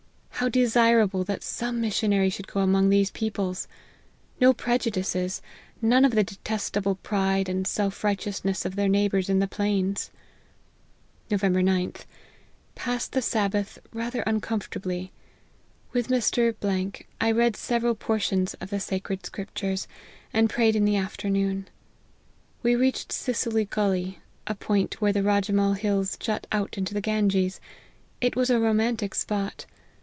How desirable that some missionary should go among these peo ple ! No prejudices none of the detestable pride and self righteousness of their neighbours in the plains." " Nov. 9th. Passed the Sabbath rather uncom fortably. With Mr. , I read several portions of the sacred scriptures, and prayed in the after noon. We reached Sicily gully, a point where the Rajemahl hills jut out into the Ganges. It was a romantic spot.